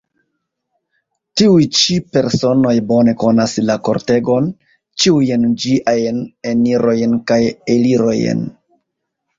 Tiuj ĉi personoj bone konas la kortegon, ĉiujn ĝiajn enirojn kaj elirojn.